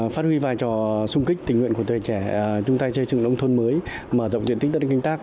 phát huy vai trò xung kích tình nguyện của tuổi trẻ chúng ta chơi trường nông thôn mới mở rộng tuyển tích tất cả kinh tác